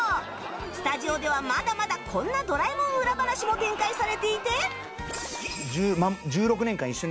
スタジオではまだまだこんな『ドラえもん』裏話も展開されていて